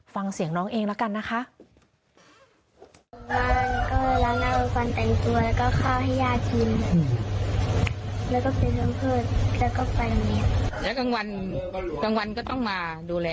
ฟังเสียงน้องเองแล้วกันนะคะ